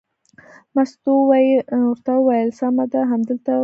مستو ورته وویل: سمه ده همدلته وغځېږه.